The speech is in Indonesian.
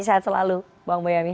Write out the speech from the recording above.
sehat selalu bang boyamin